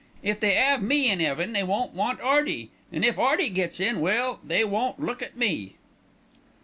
If they 'ave me in 'eaven, they won't want 'Earty; an' if 'Earty gets in, well, they won't look at me."